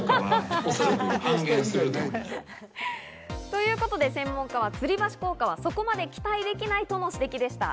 ということで専門家は、つり橋効果はそこまで期待できないという指摘でした。